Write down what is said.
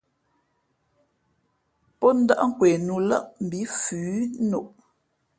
Pō ndάʼ kwe nu lαʼ mbī fʉ ά noʼ.